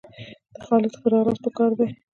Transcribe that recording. د خالد ښه راغلاست په کار دئ!